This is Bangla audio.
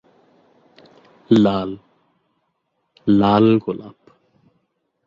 লাল, লাল গোলাপ।